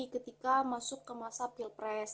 ketika masuk ke masa pilpres